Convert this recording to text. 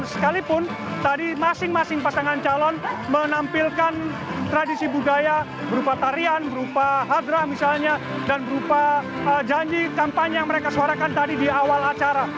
sekalipun tadi masing masing pasangan calon menampilkan tradisi budaya berupa tarian berupa hadrah misalnya dan berupa janji kampanye yang mereka suarakan tadi di awal acara